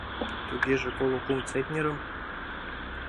— Тугеже коло кум центнерым?